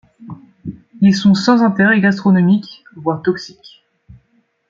Ils sont sans intérêt gastronomique, voire toxiques.